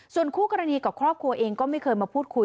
ส่วนคู่กรณีกับครอบครัวเองก็ไม่เคยมาพูดคุย